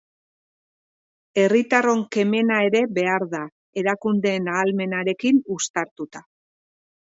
Herritarron kemena ere behar da, erakundeen ahalmenarekin uztartuta.